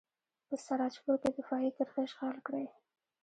په سراج پور کې دفاعي کرښې اشغال کړئ.